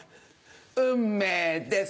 「運命です」。